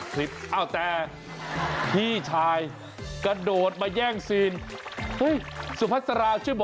ทีเนี่ยผ่านคุณผู้ชมไปเรียนภาษาอังกฤษ